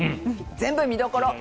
全部見どころ。